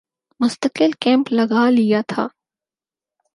مستقل کیمپ لگا لیا تھا